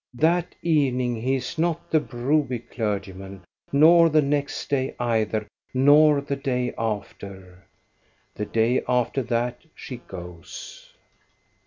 That evening he is not the Broby clergyman, nor the next day either, nor the day after. The day after that she goes.